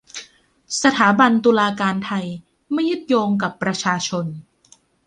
สถาบันตุลาการไทยไม่ยึดโยงกับประชาชน